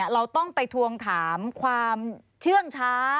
เราต้องไปทวงถามความเชื่องช้า